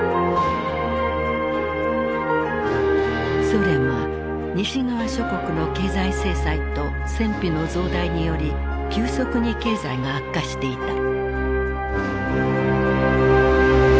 ソ連は西側諸国の経済制裁と戦費の増大により急速に経済が悪化していた。